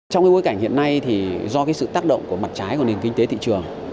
trong cái bối cảnh hiện nay thì do cái sự tác động của mặt trái của nền kinh tế thị trường